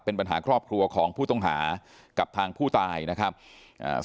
เป็นปัญหาครอบครัวของผู้ต้องหากับทางผู้ตายนะครับอ่า